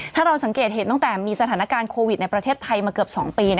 ถ้าเราสังเกตเห็นตั้งแต่มีสถานการณ์โควิดในประเทศไทยมาเกือบ๒ปี